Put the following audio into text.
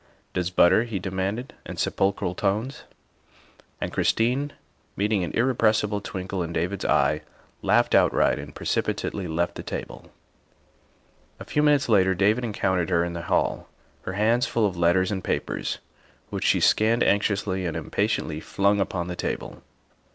Does butter?" he demanded in sepulchral tones. And Christine, meeting an irrespressible twinkle in David's eye, laughed outright and precipitately left the table. A few minutes later David encountered her in the hall, her hands full of letters and papers, which she scanned anxiously and impatiently flung upon the table.